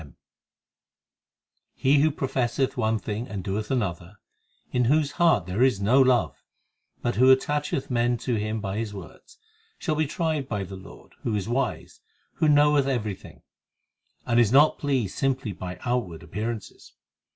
214 THE SIKH RELIGION 7 He who professeth one thing and doeth another, In whose heart there is no love, but who attacheth men to him by his words, Shall be tried by the Lord, who is wise, who knoweth everything, And is not pleased simply by outward appearances.